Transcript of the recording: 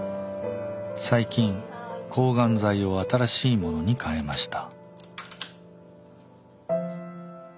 最近抗がん剤を新しいものに変えました。